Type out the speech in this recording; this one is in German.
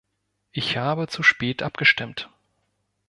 Ich habe zu spät abgestimmt.